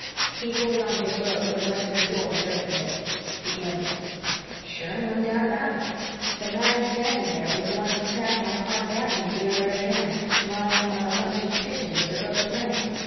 He pulled on his robe and went to the door and opened it. He blinked. Sure, no doubt about it. The man standing there was the one he'd snapped on Park Avenue the other A.M., lying among a bunch of pigeons, with a broken leg.